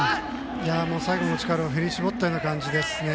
最後の力を振り絞ったような感じですね。